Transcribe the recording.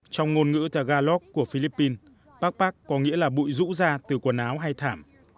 trong ngôn ngữ tagalog của philippines pakpak có nghĩa là bụi rũ ra từ quần áo hay thảm